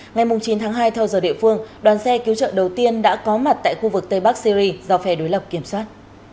ngày chín tháng hai theo giờ địa phương đoàn xe cứu trợ đầu tiên đã có mặt tại khu vực tây bắc syri do phe đối lập kiểm soát